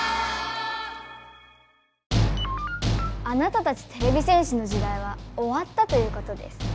あなたたちてれび戦士の時代はおわったということです。